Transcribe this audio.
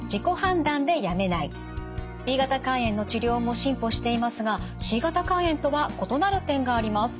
Ｂ型肝炎の治療も進歩していますがＣ型肝炎とは異なる点があります。